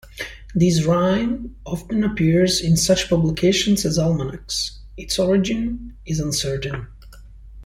This rhyme often appears in such publications as almanacs; its origin is uncertain.